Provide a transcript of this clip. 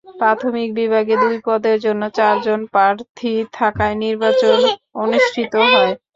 প্রাথমিক বিভাগে দুটি পদের জন্য চারজন প্রার্থী থাকায় নির্বাচন অনুষ্ঠিত হয়।